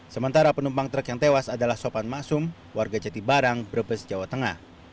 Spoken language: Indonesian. sementara penumpang truk yang tewas adalah sopan maksum warga jatibarang brebes jawa tengah